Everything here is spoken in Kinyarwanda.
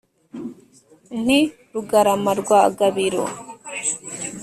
Nti: Rugarama rwa Gabiro